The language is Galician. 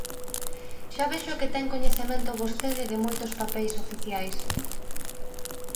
Xa vexo que ten coñecemento vostede de moitos papeis oficiais.